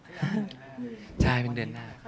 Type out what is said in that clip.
ใช่เป็นเดือนหน้า